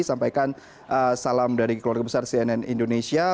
sampaikan salam dari keluarga besar cnn indonesia